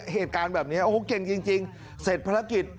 เหตุการณ์แบบนี้โอ้โหเก่งจริงเสร็จภารกิจ